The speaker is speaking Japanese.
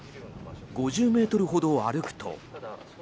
５０ｍほど歩くと。